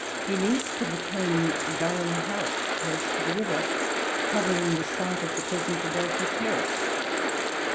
He leased of the Queen, Durham House, close to the river, covering the site of the present Adelphi Terrace.